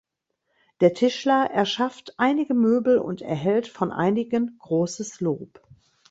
Der Tischler erschafft einige Möbel und erhält von einigen großes Lob.